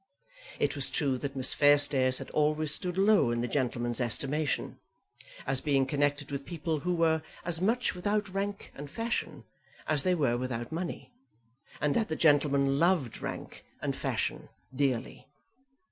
It was true that Miss Fairstairs had always stood low in the gentleman's estimation, as being connected with people who were as much without rank and fashion as they were without money, and that the gentleman loved rank and fashion dearly.